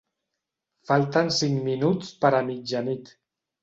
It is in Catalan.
Falten cinc minuts per a mitjanit.